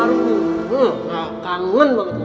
nggak kangen banget